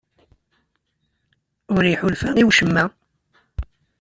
Ur iḥulfa i wacemma?